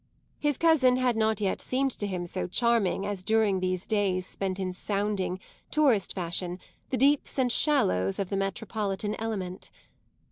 His cousin had not yet seemed to him so charming as during these days spent in sounding, tourist fashion, the deeps and shallows of the metropolitan element.